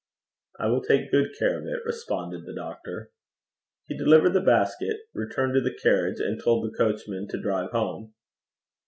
'I will take good care of it,' responded the doctor. He delivered the basket, returned to the carriage, and told the coachman to drive home.